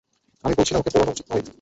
আমি বলছি না ওকে পোড়ানো উচিত নয়।